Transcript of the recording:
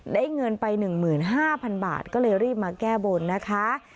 ได้เงินไป๑๕๐๐๐บาทก็เลยรีบมาแก้บนนะคะ